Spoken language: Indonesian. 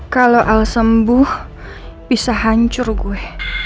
kalau al sembuh bisa hancur gue